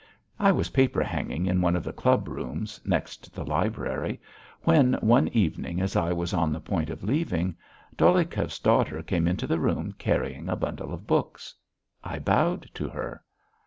I was paper hanging in one of the club rooms, next the library, when, one evening as I was on the point of leaving, Dolyhikov's daughter came into the room carrying a bundle of books. I bowed to her.